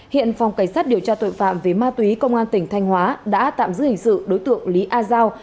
hiện phòng cảnh sát điều tra tội phạm về ma túy công an tỉnh thanh hóa đã tạm giữ hình sự đối tượng lý a giao